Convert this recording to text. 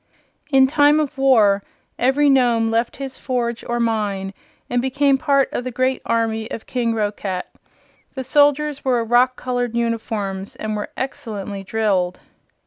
In time of war every Nome left his forge or mine and became part of the great army of King Roquat. The soldiers wore rock colored uniforms and were excellently drilled.